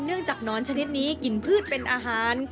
เนื่องจากนอนชนิดนี้กินพืชเป็นอาหาร